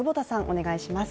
お願いします。